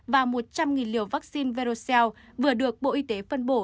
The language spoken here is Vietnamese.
và một trăm linh liều vaccine verocel vừa được bộ y tế phân bổ